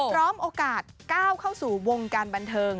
โอกาสก้าวเข้าสู่วงการบันเทิง